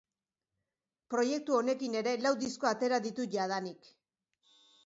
Proiektu honekin ere lau disko atera ditu jadanik.